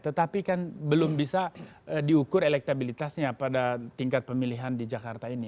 tetapi kan belum bisa diukur elektabilitasnya pada tingkat pemilihan di jakarta ini